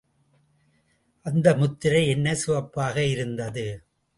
அந்த முத்திரை என்ன சிவப்பாக இருந்தது!